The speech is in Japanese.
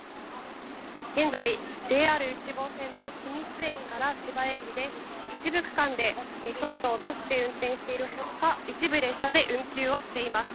現在、ＪＲ内房線の君津駅から千葉駅で一部区間で速度を落として運転しているほか、一部列車で運休をしています。